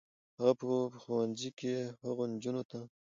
هغه به په ښوونځي کې هغو نجونو ته